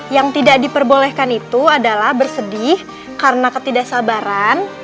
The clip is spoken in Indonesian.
yang tidak diperbolehkan itu adalah bersedih karena ketidaksabaran